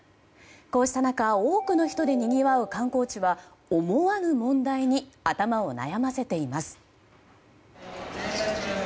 こうした中多くの人でにぎわう観光地は思わぬ問題に頭を悩ませています。